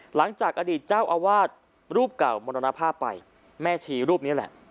หลังจากอดีตเจ้าอาวาสรูปเก่ามรณภาพไปแม่ชีรูปนี้แหละ